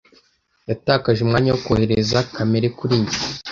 Yatakaje umwanya wo kohereza kamera kuri njye.